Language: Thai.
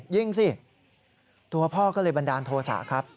ยิงสิตัวพ่อก็เลยบันดาลโทษะครับ